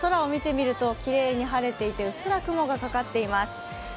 空を見てみるときれいに晴れていて、うっすら雲がかかっています。